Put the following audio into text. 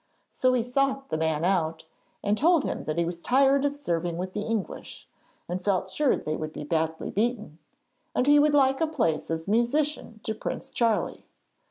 So he sought the man out, and told him that he was tired of serving with the English and felt sure they would be badly beaten, and he would like a place as musician to Prince Charlie.